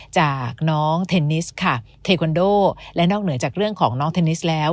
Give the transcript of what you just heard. จากน้องเทนนิสค่ะเทควันโดและนอกเหนือจากเรื่องของน้องเทนนิสแล้ว